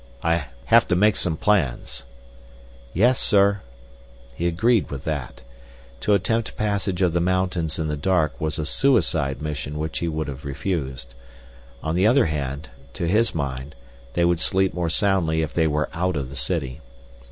Have to make some plans." "Yes, sir." He agreed with that. To attempt passage of the mountains in the dark was a suicide mission which he would have refused. On the other hand, to his mind, they would sleep more soundly if they were out of the city.